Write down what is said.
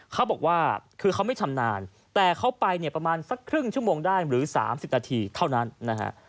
เขาบอกว่าคือเขาไม่ชำนาญแต่เขาไปเนี่ยประมาณสักครึ่งชั่วโมงได้หรือ๓๐นาทีเท่านั้นนะฮะ